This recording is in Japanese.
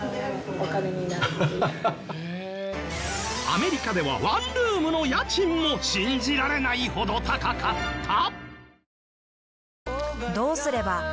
アメリカではワンルームの家賃も信じられないほど高かった！？